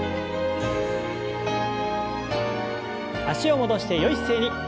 脚を戻してよい姿勢に。